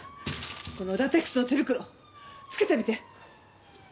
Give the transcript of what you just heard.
このラテックスの手袋つけてみて。